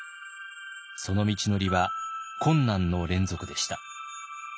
その道のりは困難の連続でした。